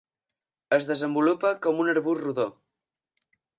Es desenvolupa com un arbust rodó.